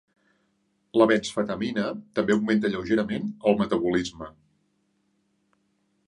La benzfetamina també augmenta lleugerament el metabolisme.